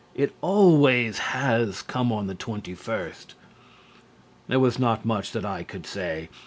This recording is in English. It always has come on the 21st." There was not much that I could say.